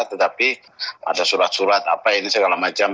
tetapi ada surat surat apa ini segala macam